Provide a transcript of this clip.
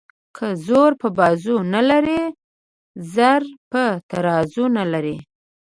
که زور په بازو نه لري زر په ترازو نه لري.